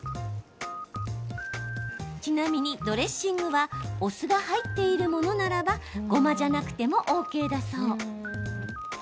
ちなみに、ドレッシングはお酢が入っているものならばごまじゃなくてもＯＫだそう。